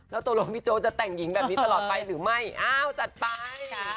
แล้วตกลงพี่โจ๊กจะแต่งหญิงแบบนี้ตลอดไปหรือไม่อ้าวจัดไป